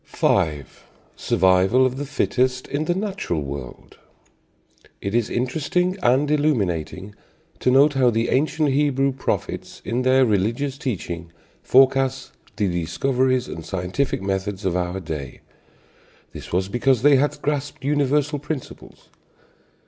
V. SURVIVAL OF THE FITTEST IN THE NATURAL WORLD. It is interesting and illuminating to note how the ancient Hebrew prophets in their religious teaching forecast the discoveries and scientific methods of our day. This was because they had grasped universal principles.